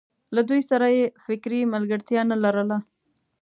له دوی سره یې فکري ملګرتیا نه لرله.